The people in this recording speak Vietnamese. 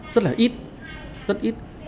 rất là ít rất ít